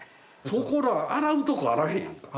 そこら洗うとこあらへんやんか。